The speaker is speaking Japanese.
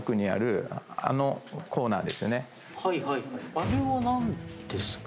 あれは何ですか？